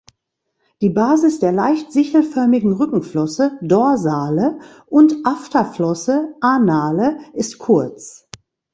Die Basis der leicht sichelförmigen Rückenflosse (Dorsale) und Afterflosse (Anale) ist kurz.